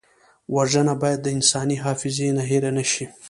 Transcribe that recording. وژنه باید د انساني حافظې نه هېره نه شي